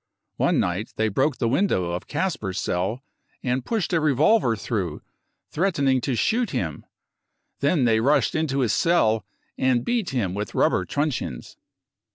... One night they broke the window of Kasper's cell and pushed a revolver through, threatening to shoot him. Then they rushed into his cell and beat him with rubber truncheons.